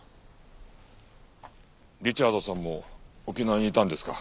リチャードさんも沖縄にいたんですか？